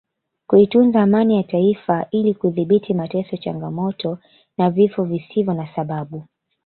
kuitunza amani ya Taifa ili kudhibiti mateso changamoto na vifo visivyo na sababu